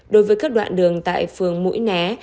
đối với các đoạn đường tại phường mũi né